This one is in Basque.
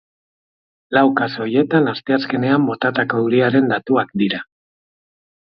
Lau kasu horietan, asteazkenean botatako euriaren datuak dira.